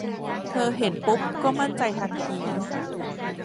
เธอเห็นปุ๊บก็มั่นใจทันที